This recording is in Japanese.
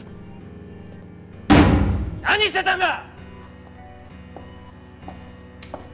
何してたんだ！